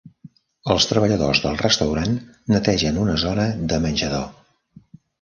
Els treballadors del restaurant netegen una zona de menjador.